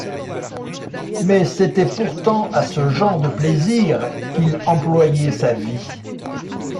Mais c’était pourtant à ce genre de plaisirs qu’il employait sa vie.